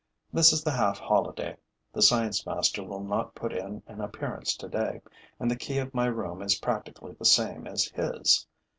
This is the half holiday. The science master will not put in an appearance today; and the key of my room is practically the same as his.